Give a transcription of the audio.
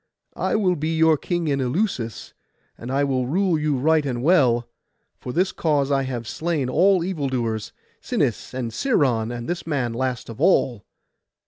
'I will be your king in Eleusis, and I will rule you right and well; for this cause I have slain all evil doers—Sinis, and Sciron, and this man last of all.